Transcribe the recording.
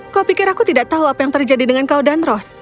kau pikir aku tidak tahu apa yang terjadi dengan kau dan ros